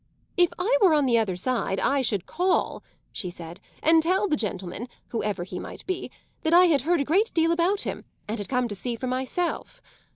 "If I were on the other side I should call," she said, "and tell the gentleman, whoever he might be, that I had heard a great deal about him and had come to see for myself.